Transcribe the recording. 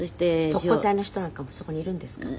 特攻隊の人なんかもそこにいるんですか？